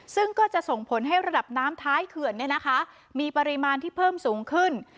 ซึ่งก็จะส่งผลให้ระดับน้ำท้ายเขื่อนมีปริมาณที่เพิ่มสูงขึ้น